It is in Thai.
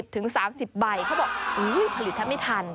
เขาบอกอุ๊ยผลิตแทบไม่ทัน